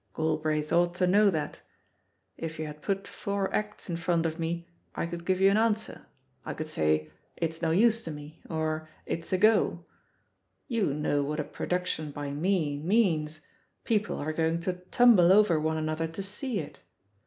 Galbraith ought to know that. If you had put four acts in front of me I could give you an answer ; I could say, *It's no use to me/ or *It's a go.' You know what a pro duction by me means — ^people are going to tum ble over one another to see it.